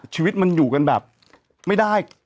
ชีวิตมันอยู่กันแบบไม่ได้